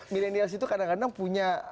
milenial itu kadang kadang punya